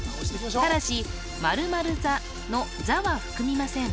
ただし○○座の「座」は含みません